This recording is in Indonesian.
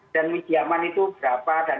dan widyaman itu berapa dan